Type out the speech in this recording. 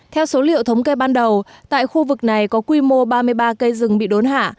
theo số liệu thống kê ban đầu tại khu vực này có quy mô ba mươi ba cây rừng bị đốn hạ